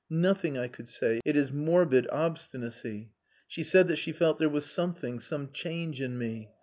Nothing I could say.... It is morbid obstinacy.... She said that she felt there was something, some change in me....